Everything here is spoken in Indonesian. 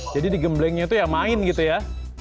jadi digemblengnya itu yang main gitu ya